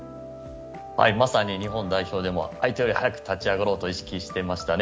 まさに日本代表でも相手よりも早く立ち上がろうと意識していましたね。